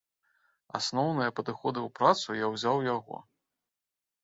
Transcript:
Асноўныя падыходы ў працы я ўзяў у яго.